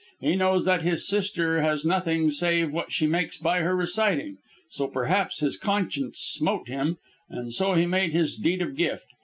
He knows that his sister has nothing save what she makes by her reciting, so perhaps his conscience smote him, and so he made his Deed of Gift.